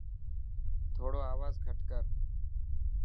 ٿوڙو آواز گهٽ ڪر.